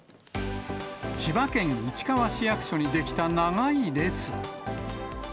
千葉県市川市役所に出来た長い列。